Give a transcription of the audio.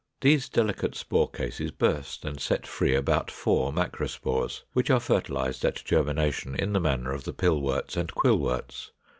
These delicate spore cases burst and set free about four macrospores, which are fertilized at germination, in the manner of the Pillworts and Quillworts.